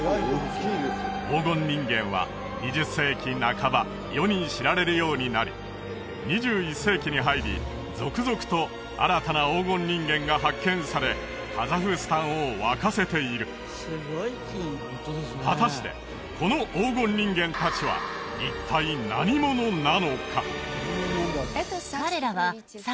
黄金人間は２０世紀半ば世に知られるようになり２１世紀に入り続々と新たな黄金人間が発見されカザフスタンを沸かせている果たしてこの黄金人間達は一体何者なのか？